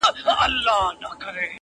هغو چي کړه تسخیر د اسمان ستوريقاسم یاره,